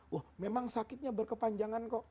wah memang sakitnya berkepanjangan kok